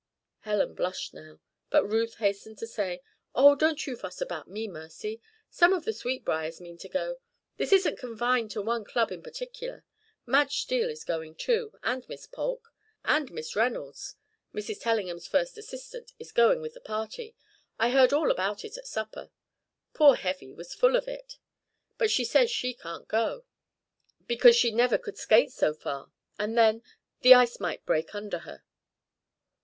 Helen blushed now; but Ruth hastened to say: "Oh, don't you fuss about me, Mercy. Some of the Sweetbriars mean to go. This isn't confined to one club in particular. Madge Steele is going, too, and Miss Polk. And Miss Reynolds, Mrs. Tellingham's first assistant, is going with the party. I heard all about it at supper. Poor Heavy was full of it; but she says she can't go because she never could skate so far. And then the ice might break under her."